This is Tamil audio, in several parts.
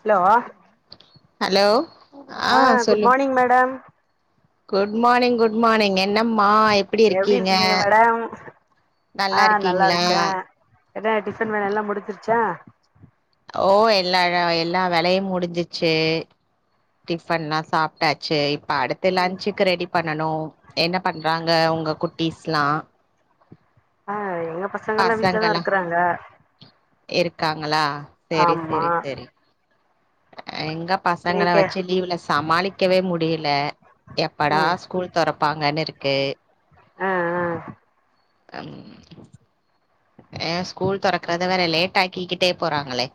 ஹலோ ஹலோ ஆ குட் மானிங் மேடம் குட் மானிங் குட் மானிங் என்னம்மா எப்டி இருக்கீங்க ஆ நல்லா இருக்கே என்ன டிஃபன் வேல எல்லா முடிஞ்சிருச்சா ஓ எல்லா வே எல்லா வேலையும் முடிஞ்சிச்சு டிஃபன்ல்லா சாப்டாச்சு இப்ப அடுத் து லன்ச்சுக்கு ரெடி பண்ணணு என்ன பண்றாங்க உங்க குட்டிஸ்லா ஆ எங்க பசங்கல்லா வீட்லதா இருக்கறாங்க இருக்காங்ளா சேரி ஆமா சேரி சேரி எங்க பசங்கள இன்னைக்கு வச்சு லீவ்ல சமாளிக் க்கவே முடில எப்படா ம் ஸ்கூல் தொறப்பாங்கன்னு இர்க்கு அ அ ம் ஏ ஸ்கூல் துறக்கறத வேற லேட் ஆக்கிக்கிட்டே போறாங்ளே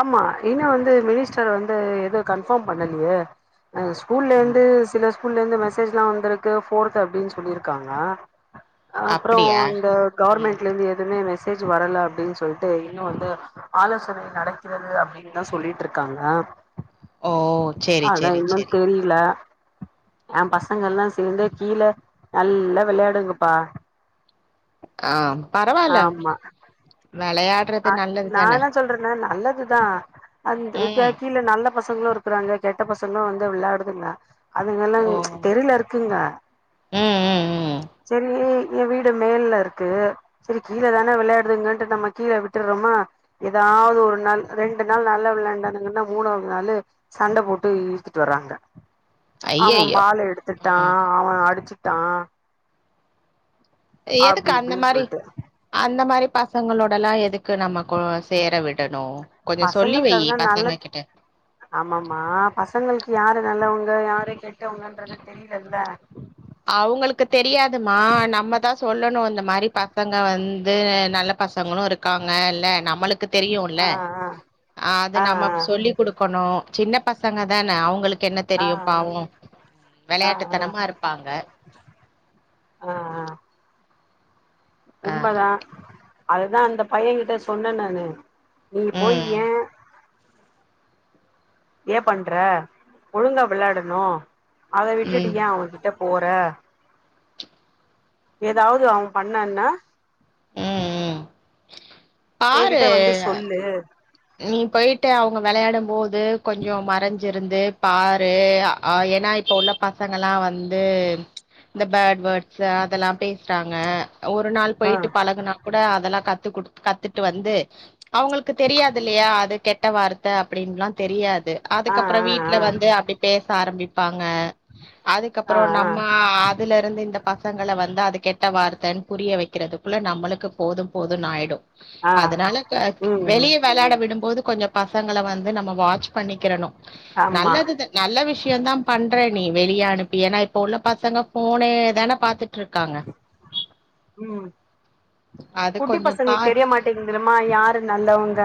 ஆமா இன்னு வந்து மினிஸ்டர் வந்து எதோ கன்ஃபார்ம் பண்ணலையே ஸ்கூல்ல ம் இருந்து சில ஸ்கூல்ல இருந்து மெசேஜ்ல்லா வந்திருக்கு போர்த் அப்டின் சொல்லியிருக்காங்க அப்றோ அப்டியா இந்த ம் கவுர்மெண்ட்ல இர்ந்து எதுவுமே மெ மெசேஜ் வரல அப்டின்னு சொல்ட்டு இன்னு வந்து ஆலோசன நட த்துரும் அப்டின்னுதான் சொல்லிட்டு இருக்காங்க ஓ சேரி அதான் சேரி இன்னு சேரி தெரில எம் பசங்கல்லா சேந்து கீழ நல்லா வெளடுங்கப்பா ஆ பரவால வெளயாட் ஆ நான் என்ன சொல்றன்னா நல்லதுதான் அந்தி கா ம் கி இல்ல நல்ல பசங்ளும் இருக்றாங்க கெட்ட பசங்களு வந்து விளாடுதுங்க அதுங்கல்லா ஓ தெருல இருக்குங்க ம் ம் ம் சரி என் வீடு மேல இருக்கு சரி கீழே தான விளையாடுதுங்கன்ட்டு நம்ம கீழே விட் விட்டுறோமா ஏதாவது ஒரு நாள் ரெண்டு நாள் நல்ல விளாண்டானுங்கன்னா மூணாவது நாளு சண்ட போட்டு இழுத்துட்டு வராங்க அவ ஐயய்யோ பால எடுத்துட்டா ம் அவே அடிச்சுட்டா அப்டி எதுக் அந்த இப்டின்னு மாரி சொல்ட்டு அந்த மாரி பசங்ளோடல்லா எதுக்கு நம்ம கொழ் சேர விடணு கொஞ்சோ சொல்லி பசங்களுக்கு வெய் அதெல்லா பசங்க நல்லது கிட்ட ஆமாமா பசங்ளுக்கு யாரு நல்லவங்க யாரு கெட்டவங்கன்றது தெரிலல்ல அவங்களுக்கு தெரியாதுமா நம்ம தான் சொல்லணு இந்த மாரி பசங்க வந்து நல்ல பசங்களு இருக் க்காங்கல நம்மளுக் தெரியுல ஆ அது ஆ நம்ம சொல்லிக் குடுக்கணு சின்ன பச பசங்க தானே அவுங்ளுக்கு என்ன ஆ ஆ தெரியும் பாவோ ஆ ஆ ஆ வெளையாட்டுத்தனமா இருப்பாங்க ஆ ஆ ஆ உண்மதான் அதுதான் அந்த பையன் கிட்ட சொன்ன நானு நீ போய் ம் ஏன் ஏன் பண்ற ஒழுங்கா விளாடணு அத விட்டுட்ட ம் ஏன் அவங்கிட்ட போற ஏதாவ்து அவன் பண்ணனா ம் ம் பாரு ட்டு நீ போயிட்டு அவங்க விளயாடும் போது கொஞ்சோ மறஞ்சிருந்து பாரு அ ஏன்னா இப்போ உள்ள பசங்காளா வந்து இந்த பேட் வேட்ஸ் அதல்லா பேசறாங்க ஒரு நாள் ஆ போய்ட்டு பழகுனா கூட அதெல்லா கத்துகுடுத் கத்துட்டு வந்து அவங்களுக்கு தெரியாத் துல்லயா அது கெட்ட வார்த்த அப்டின்ல்லா தெரியாது ஆ அதுக்கப்ரோ ஆ வீட்ல வந்து அப்டி பேச ஆரம்பிப்பாங்க ஆ ஆ அதுக்கப்ரோ நம்ம இதுல இருந்து இந்த பசங்கள வந்து அது கெட்ட வார்த்தைன்னு புரிய வைக்கிறதுக்குள்ள நம்மளுக்கு போது போதுன்னு ஆய்டு ஆ ஆ அதனால ம் ம் வெளியே விளையாட விடும்போது கொஞ்சோ பசங்கள வந் து நம்ம வாட்ச் பண்ணிக்ரனு ஆமா நல்லது த நல்ல விஷியோந்தா பண்ற நீ வெளியே அனுப்பி ஏனா இப்ப உள்ள பசங்க போனே தானே பாத்துட்டுருக்காங்க அது குட்டி கொஞ்சோ பா பசங்ளுக்கு தெரிய மாட்டேக் [unintelligible] யாரு நல்லவங்க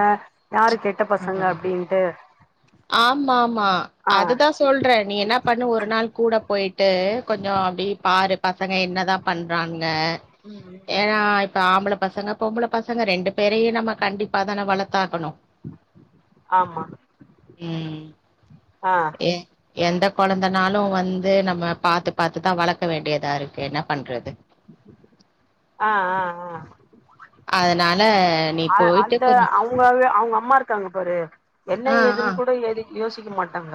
யாரு கெட்ட பசங்க அப்டின்ட்டு ஆமாமா ஆ அதுதா சொல்றே நீ என்னா பண்ணு ஒரு நாள் கூட போய்ட்டு கொஞ்சோ அப்டி பாரு பசங்க என்னதா பண்றாங்க ஏனா இப்ப ஆம்பள பசங்க பொம்பள பசங்க ரெண்டு பேரயு நம்ம கண்டிப்பா தான வளத்தாகணு ஆமா ம் ஆ ஏ எந்த கொழந்தனாலு வந்து நம்ம பாத்து பாத்து தா வளக்க வேண்டியதாருக்கு என்ன பண்றது ஆ ஆ ஆ அதனால நீ அ போயிட்டு அந்த கொஞ்ச அவுங்க அவுங்க அம்மா இருக்காங்க பாரு ஆ என்ன ஆ ஏதுன்னு கூட எது யோசிக்க மாட்டாங்க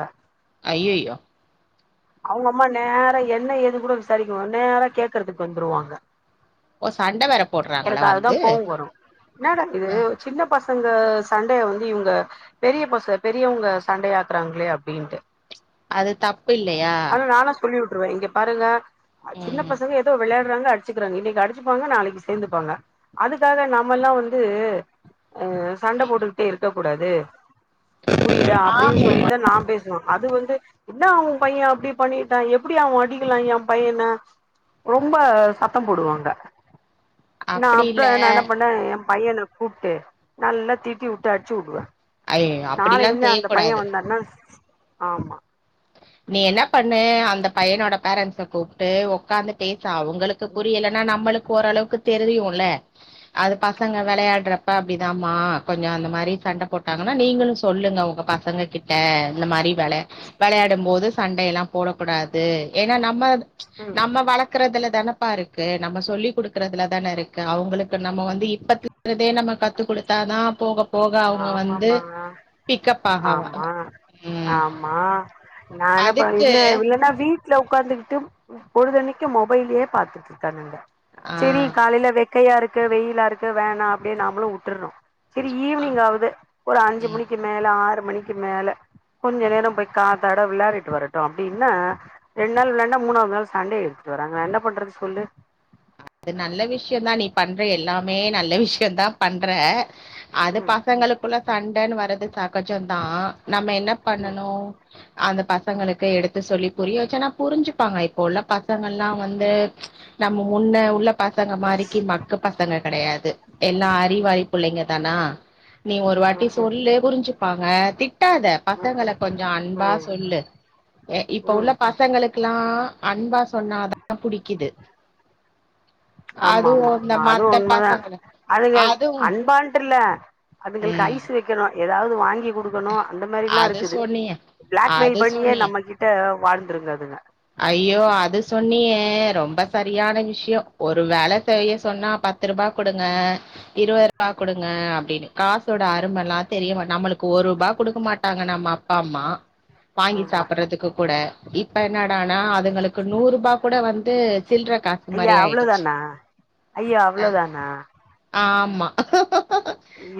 ஐய்யய்யோ அவ்ங்க அம்மா நேர என்ன ஏதுனு கூட விசாரிக்கணு நேரா கேக்குறதுக்கு வந்துருவாங்க ஓ சண்ட வேர எனக்கு அதுதா கோவோ வரு ன்னடா இது ஆ சின்ன பசங்க சண்டய வந்து இவுங்க பெரிய பச பெரியவங்க சண்டையாக்குறாங்களே அப்டின்ட்டு அது தப்பு இல்லையா ஆனா நானா சொல்லி உட்டுருவே இங்க பாருங்க சின்ன ம் பசங்க ஏதோ விளையாடுறாங்க அடிச்சுக்கிறாங்க இன்னைக்கு அடிச்சுப்பாங்க நாளைக்கி சேர்ந்துப்பாங்க அதுக்காக நாமல்லா வந்து அ சண்ட போட்டுக் ட்டு இருக்கக்க கூடாது புரியுதா அப்டின் ஆமா. சொல்லிட்டு தா நா பேச அது வந்து ன்னா உ பைய அப்டி பண்ணிட்டா எப்புடி அவ அடிக்கலா எ பையன ரொம்ப சத்தம் போடுவாங்க நா அப்டி இல்ல அப்ரோ நா என்ன பண்ணே ஏ பையன்ன கூப்ட்டு நல்லா தீட்டி விட்டு அடிச்சு வுடுவே ஐயோ அப்டிலா நாளபின்ன அந்த பைய செய்யக்கூடாது வந்தான்னா ஆமா நீ என்ன பண்ணு அந்த பையனோட பேரண்ட்ஸ கூப்ட்டு உக்காந்து பேசு அவுங்களுக் கு ம் புரியல்ன்னா நம்ளுக்கு ஓரளவுக்கு தெரியுல்ல அது பசங்க வெளையாடுறப்ப அப்டிதாமா கொஞ்சோ அந்த மாரி சண்ட போட்டாங்கனா நீங்களு சொல்லுங்க உங்க பசங் பசங்க கிட்ட இந்த மாரி வெளையா வெளையாடும் போது சண்டயெல்லா போடக்கூடாது ஏனா நம்ம ம் நம்ம வள க்கறதுல தானப்பா இருக்கு நம்ம சொல்லி குடுக்கறதுல தானே இருக்கு அவங்களுக் நம்ம வந்து இப்பத்துல்ருந்தே நம்ம கத்து குடுத்தா தா போகப் போக அவங்க வந்து ஆமாமா பிக்கப் ஆகாவாங்க ம் மா நா என்ன பன் இல்ல இல்லனா வீட் வீட்ல உக்காந்துகிட்டு பொழுதன்னைக்கு மொபைலயே பாத்துட்டு இருக்கானங்க ஆ செரி காலையில வெ க்கையா இருக்கு வெயிலா இருக்கு வேணா அப்டியே நாமளு வுட்டுர்றோ ஆ ஈவ்னிங் ஆவது ஒரு அஞ்சு ம் மணிக்கு மேல ஆறு மணிக்கு மேல கொஞ்ச நேரோ போய் காத்தாட விளாரிடிட்டு வரட்டு அப்டின்னா ரெண்டு நாள் விளான்னா மூணாவது நாள் சண்டய இழுத்துட்டு வறாங்க நா என்ன பண்றது சொல்லு அது நல்ல விஷ்யோந் தா நீ பண்ற எல்லாமே நல்ல விஷ்யோந் தா பண்ற அது ம் பசங்களுக்குள்ள சண்டன்னு வர்றது சகஜொந் தா நம்ம என்ன ம் பண்ணணு அந்த பசங்களுக்கு எடுத்து சொல்லி புரிய வெச்சுன்னா புரிஞ்சுப்பாங்க இப்போ உள்ள பசங்கள்லா வந்து நம்ம முன்ன உள்ள பசங்க மாறிக்கு மக்கப் பசங்க கிடையாது எல்லா ம் அறிவாளி புள்ளங்க தானா நீ ஒரு வாட்டி ம் சொல்லு புரிஞ்சுப்பாங்க திட் ட்டாத பசங்கள ம் கொஞ்சோ அன்பா ம் சொல்லு ஏ இப்ப ம் உள்ள ம் பசங்களுக்குல்லா அன்பா சொன்னாதா புடிக்குது ஆமா அதுவு ஆமா இந்த அதுவு மத்த உண்மைதா பசங்களு அதுங்க அதுவு அன்பான்ட்டு இல்ல அதுங்களுக்கு ம் ஐஸ் வெக்கணு ஏதாவது வாங்கி குடுக்கணு அந்த மாறில்லா அது இருக்குது சொன்னியே பிளாக் மெயில் அது பண்ணியே சொன்னியே நம்ம கிட்ட வாழ்ந்துருங்க அதுங்க ஐய்யோ அது சொன்னியே ரொம்ப சரியான விஷயோ ஒரு வேலை செய்ய சொன்னா பத் து ரூபா குடுங்க இரவது ரூபா குடுங்க அப்டின்னு காசோட அருமை எல்லா தெரிய மாட்டே நம்மளுக்கு ஒரு ரூபா குடுக்க மாட்டாங்க நம்ம அப்பா அம்மா வாங்கி ஆமா சாப்பட்றதுக்கு கூட இப்ப என்னாடானா அதுங்களுக்கு நூற் ரூபா கூட வந்து சில்ற காசு மாறி ஆயிடுச்சு ஐய்ய அவ்ள ஆ தானா ஆமா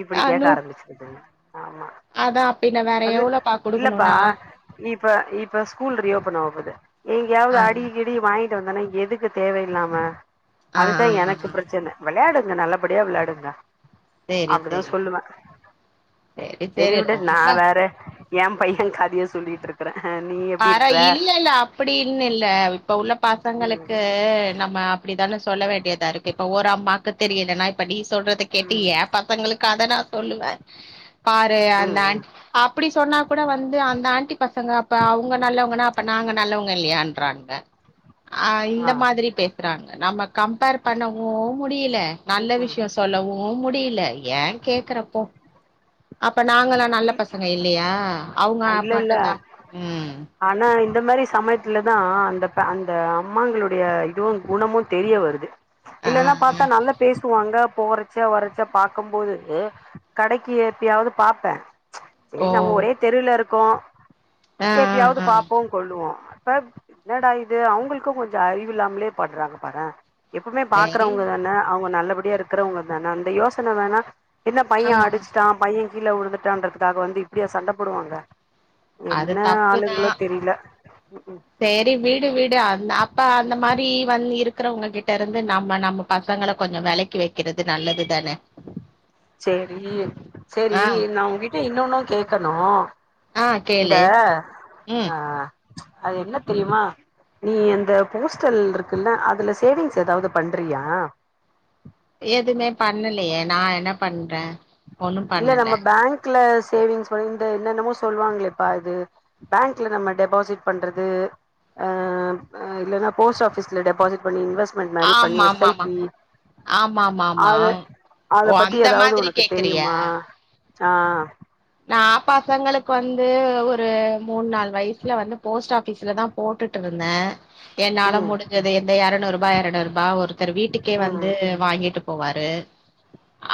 இப்பிடி கேக்க ஆரம்பிச்சிருதுங்க ஆமா அத்தா பின்ன வேற அது எவ்ளோ பா குடுக்கணு இல்லப்பா நால்லா இப்ப இப்ப ஸ்கூல் ரீ ஓப்பன் ஆக போது எங்கயாவது ஆ அடி கி டி வாங்கிட்டு வந்தானா எதுக்கு தேவையில்லாம ஆ அதுதா ஆ எனக்கு ஆ பிரச்சனை விளையாடுங்க நல்லபடியா விளையாடுங்க சேரி அப்படிதா சேரி சொல்லுவே சேரி சரி சேரி விடு நா ரொம்ப வேற எம் பையன் கதைய சொல்லிட்டு இருக்கறே நீ எப்டி இருக்கற அப்படின்னு இல்லை இப்ப உள்ள ம் பசங்களுக்கு நம்ம அப்படித்தானே சொல்ல வேண்டியதா இருக்கு இப்ப ஒரு அம்மாவுக்கு தெரியலன்னா இப்ப நீ சொல்றத கேட்டு ம் எம் பசங்களுக்கு அத நா சொல்லுவே பாரு அந்த ம் ஆன் ம் அப்பிடி சொன்னா கூட வந்து அந்த ஆன்டி பசங்க இப்ப அவுங்க நல்லவங்கன்னா அப்ப நாங்க நல்லவங்க இல்லையான்றாங்க அ ஆ இந்த மாதிரி பேசுறாங்க நம்ம கம்பேர் பண்ணவு முடியல நல்ல ம்ஹும் விஷயோ சொல்லவு முடியல ஏன் கேக்கறப்போ அப்ப நாங்கல்லா நல்ல பசங்க இல்லையா அவுங்க இல்ல இல்ல மட்டுந்தான ஆனா இந்த மாறி சமயத்துல தா அந்த அந்த அம்மாங்களுடைய இதுவு குணமு தெரிய வருது ஆ இல்லன்னா பாத்தா நல்லா பேசுவாங்க போற ச்ச வரச்ச பாக்குபோது கடைக்கு ஏப்பியாவது பாப்பே சேரி ஓ நம்ம ஒரே தெருவுல இருக்கோ ஆ எப்பயாவது ஆ ஆ பாப்போ கொள்ளுவோ இப்ப என்னடா இது அவுங்குளுக்கு கொஞ்சோ அறிவு இல்லாமலே பட்றாங்க பாறே எப்பவுமே சரி பாக்குறவங்க தானே அவங்க நல்லபடியா இருக்கிறவங்க தானே அந்த யோசனை வேணா என்ன ஆ பையன் அடிச்சுட்டா பையன் கீழ உழுந்துட்டான்றதுக்காக வந்து இப்பிடியா சண்டை போடுவாங்க அது என்ன ஆளுங்களோ தெரில உம் உம் சேரி விடு விடு அந்த அப்ப அந்த மாறி வந் இருக்கிறவங்ககிட்ட இருந்து நம்ம நம்ம பசங்கள கொஞ்சோ விலக்கி வெக்கறது நல்லது தானே சேரி சேரி ஆ நா உங்ககிட்ட இன்னொன்னும் கேக்கணு ஆ இந்த கேளு ம் ஆ அது என்ன தெரியுமா நீ அந்த போஸ்டல் இருக்குல்ல அதுல சேவிங்ஸ் ஏதாவது பண்றியா எதுமே பண்ணலையே நா என்ன பண்றே ஒண்ணு இல்ல பண்ணல நம்ம பேங்க்ல சேவிங்ஸ் விட இந்த என்னென்னமோ சொல்லுவாங்களேப்பா அது பேங்க்ல நம்ம டெபாசிட் பண்றது இலன்னா போஸ்ட் ஆபீஸ்ல டெபாசிட் பண்ணி இன்வெஸ்ட் [unintelligible] மாரி பண்ணி ஆமா எஸ் ஆமா ஐ ஆமா பி ஆமா ஆமா ஆமா அத அத ஓ பத்தி அந்த ஏதாவது மாதிரி ஒனக்கு கேக்குறியா தெரியுமா ஆ நா பசங்களுக்கு வந்து ஒரு மூணு நாலு வயசுல வந்து போஸ்ட் ஆபீஸ்லதா போட்டுட்டு இருந்தே என்னால ம் முடிஞ்சுது எந்த எரநூறு ரூபா எரநூறு ரூபா ஒருத்தர் வீட்டுக்கே வந்து ம் வாங்கிட்டு போவாரு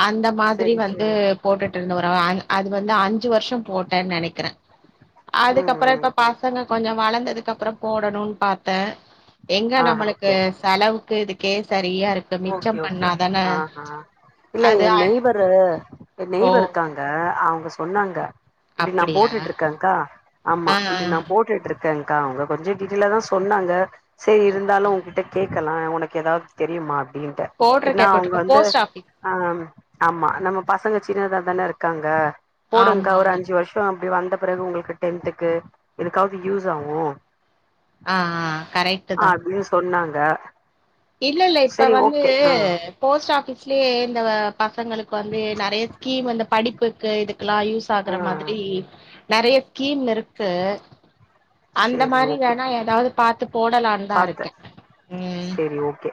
அந்த மாதிரி சரி வந்து சரி போட்டுட்டு இருந்தோ ஒரு [unintelligible] அது வந்து அஞ்சு வருஷம் போட்டேன் நெனைக்கிறே ம் அதுக்கப்புரோ இப்ப ம் பாஸ் பசங்க கொஞ்சோ வளந்ததுக்கு அப்புறம் போடணும்னு பார்த்தே எங்க ஆ நம்மளுக்கு ஓகே செலவுக்கு இது வுக்கே சரியா இருக்கு ஓகே மிச்சம் ஓகே பண்ணாதான ஆஹா இல்ல என் நெய்வர்ரு என் ஓ நெய்வர்ரு இருக்காங்க அவ்ங்க சொன்னாங்க இப்டி நா அப்படியா போட்டுட்டுருக்கேன்க்கா அம்மா ஆ ஆ இப்டி நா போட்டுட்டு இருக்கே இருக்கேங்க்கா அவங்க கொஞ்சோ டீட்டெயிலா தா சொன்னாங்க சரி ஓ இருந்தாலு உங்கிட்ட கேட்கலா உனக்கு ஏதாவது தெரியுமா அப்டின்ட்டு ஏன்னா போட்டிருக்கேன் அவுங்க போட்டிருக்கேன் வந்து போஸ்ட் ஆபீஸ் ஆ ஆமா நம்ம பசங்க சின்னதா தானே இருக்காங்க போடுங்க்கா ஆமா ஒரு ஆமா அஞ்சு வருஷோ அப்படி வந்த பெறகு உங்களுக்கு டென்டுக்கு இதுக்காவது யூஸ் ஆகு ஆ ஆ கரெக்ட் தா அப்டின்னு சொன்னாங்க இல்ல இல்ல இப்ப சரி வந்து ஓகே ஆ போஸ்ட் ஆபிஸ்லயே இந்த பசங்களுக் இப்ப வந்து நெறைய ஸ்கீம் இந்த படிப்புக்கு இதுக்கெல்லா யூஸ் ஆ ஆகுற மாதிரி றெறைய ஸ்கீம் இருக்கு அந்த மாதிரி வேணா ஏதாவது பாத்து போடலாம் பாத்தே செரி ஓகே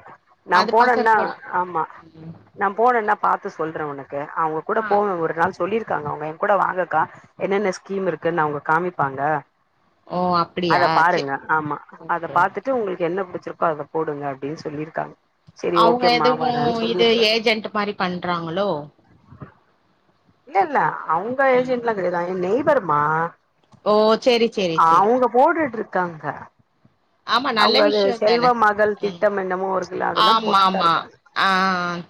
நா அது போனேனா பசங்களோட ஆமா நா போனேனா பாத்து சொல்றே உனக்கு அவுங் கூட ஆ போனு ஒரு நாள் சொல்லியிருக்காங்க அவ்ங்க என் கூட வாங்கக்கா என்னென்ன ஸ்கீம் இருக்குன்னு அவுங்க காமிப்பாங்க ஓ அத அப்டியா செரி பாருங்க ஆமா அத ஓகே பாத்துட் டு உங்களுக்கு என்ன புடிச்சிருக்கோ அத போடுங்க அப்டின்னு சொல்லியிருக்காங்க அவுங்க எதுவு இது ஏஜென்ட் மாரி பண்றாங்களோ இல்ல இல்ல அவுங்க ம் ஏஜென்ட்லா கெடையாது என் நெய்ப்பருமா ஓ சேரி சேரி சேரி போடுட்டு இருக்காங்க ஆமா நல்ல அவங்க அது விஷயோ தான செல்வ மகள் ம் திட்டம் என்னமோ இருக்குல்ல அதெல்லா ஆமா போட்டுட்டு தா ஆமா இருக்காங்க ஆ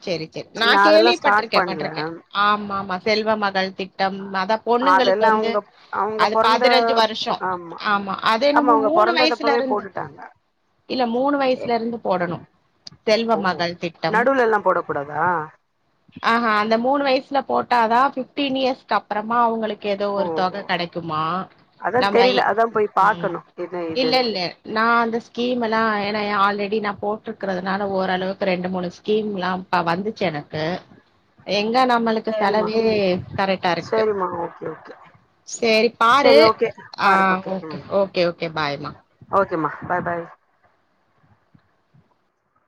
சேரி சேரி நா அதெல்லா ஸ்டார்ட் கேள்விப்பட்டிருக்கே பட்டிருக்கே பண்ல ஆமா ஆமா செல்வ மகள் திட்ட டம் அதா பொண்ணுங்களுக்கு அதெல்லா வந்து அவுங்க அவுங்க அது பொறந்த பதனஞ்சு வருஷோ ஆமா அதே ஆமா நம்ம அவுங்க மூணு வயசு பொறந்ததப்பவே லிருந்து போட்டுட்டாங்க இல்ல மூணு எ வயசுல இருந்து போடணு செல்வ ஓ மகள் திட்டம் நடுவுல எல்லா போடக் கூடாதா ஆ ஹ அந்த மூணு வயசுல போட்டாதா பிப்டீன் இயர்ஸ்க்கு அப்புறமா அவங்களுக் ஏதோ ஓ ஒரு தொக கெடைக்குமா அதா நம்ம இ தெரில அதா போய் ம் பாக்கணு என்ன இல்ல ஏதுன்ட்டு இல்ல நா அந்த ஸ்கீம் எல்லா ஏன்னா ஏ ஆல்ரெடி நா போட்டுக்கிறதுனால ஓரளவுக்கு ரெண்டு மூணு ஸ்கீம்லா அப்ப வந்துச்சு எனக்கு எங்க நம்மளுக்கு செலவே கரெக்டா இருக்கு சேரிம்மா ஓகே ஓகே சேரி பாரு சரி ஓகே ஆ பாரு ஓகே ஒகே ம் ஓகே ஓகே பாய்மா ஓகேம்மா பாய் பாய்